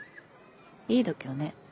いい度胸ね。